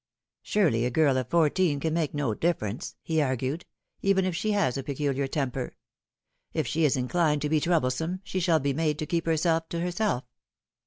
" Surely a girl of fourteen can make no difference," he argued, " even if she has a peculiar temper. If she is inclined to be troublesome, she shall be made to keep herself to herself.